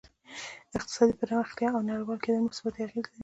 اقتصادي پرمختیا او نړیوال کېدل مثبتې اغېزې لري